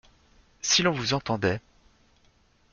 Si l’on vous entendait ?